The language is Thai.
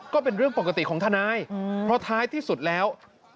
ก็เป็นเรื่องปกติของทนายเพราะท้ายที่สุดแล้ว